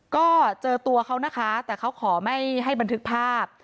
ก็เจอตัวเขานะคะแต่เขาขอไม่ให้บันทึกภาพ